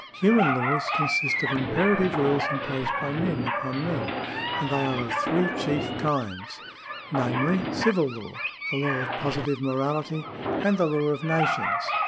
^ Human laws consist of imperative rules imposed by men upon men, and they are of three chief kinds, namely, civil law, the law of positive morality, and the law of nations.